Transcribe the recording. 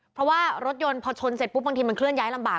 เพราะว่ารถยนต์พอชนเสร็จปุ๊บบางทีมันเคลื่อนย้ายลำบาก